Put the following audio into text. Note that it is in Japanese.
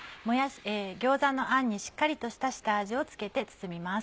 餃子のあんにしっかりとした下味をつけて包みます。